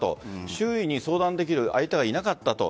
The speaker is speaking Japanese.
周囲に相談できる相手がいなかったと。